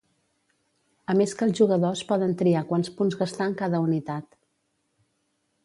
A més que els jugadors poden triar quants punts gastar en cada unitat.